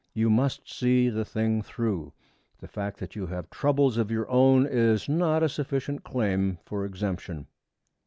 You must see the thing through. The fact that you have troubles of your own is not a sufficient claim for exemption.